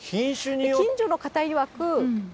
近所の方いわく。